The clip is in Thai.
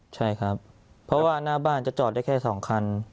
ใช่ครับเพราะว่าหน้าบ้านจะจอดได้แค่๒คัน